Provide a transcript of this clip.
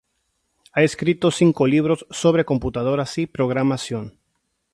Ha escrito cinco libros sobre computadoras y programación.